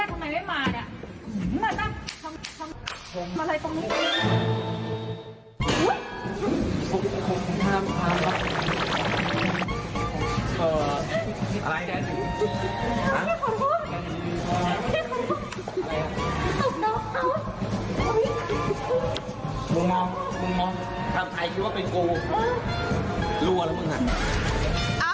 เจ้าแจ๊ะริมเจ้า